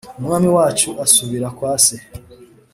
Umwami wacu asubira kwa se